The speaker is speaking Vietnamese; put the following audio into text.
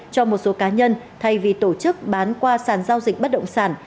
cho một số cá nhân thay vì tổ chức bán qua sản giao dịch bất động sản